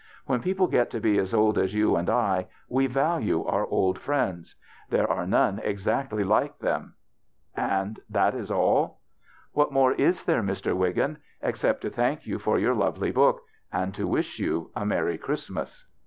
When people get to be as old as you and I we value our old friends. There are none exactly like them." " And that is all ?" "What more is there, Mr. Wiggin? Ex cept to thank you for your lovely book, and to wish you a merry Christmas."